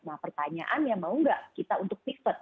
nah pertanyaannya mau nggak kita untuk piket